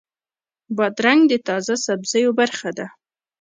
بادرنګ د تازه سبزیو برخه ده.